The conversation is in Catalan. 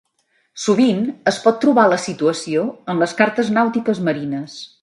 Sovint es pot trobar la situació en les cartes nàutiques marines.